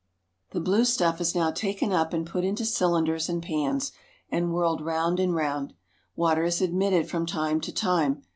The blue stuff is now taken up and put into cylinders and pans, and whirled round and round. Water is admitted from time to time.